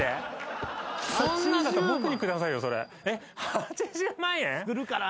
８０万円！？